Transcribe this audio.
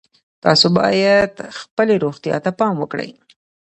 تاسو باید خپلې روغتیا ته پام وکړئ